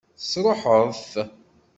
Tesṛuḥeḍ-t?